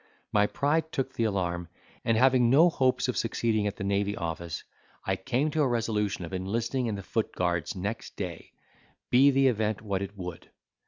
My pride took the alarm, and having no hopes of succeeding at the Navy Office, I came to a resolution of enlisting in the foot guards next day, be the event what it would.